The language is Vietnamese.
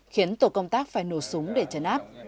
khiến tổ công tác phải nổ súng để chấn áp